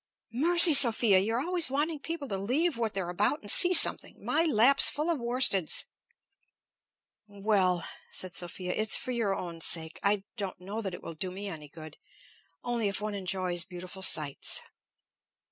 "Mercy, Sophia! You're always wanting people to leave what they're about and see something! My lap's full of worsteds." "Well," said Sophia. "It's for your own sake. I don't know that it will do me any good. Only if one enjoys beautiful sights."